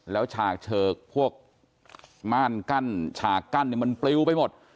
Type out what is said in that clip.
แล้วฉากเชิกพวกม่านกั้นฉากกั้นมันเปรี้ยวไปหมด